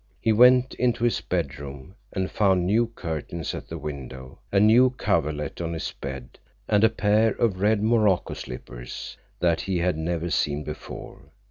He went into his bedroom and found new curtains at the window, a new coverlet on his bed, and a pair of red morocco slippers that he had never seen before.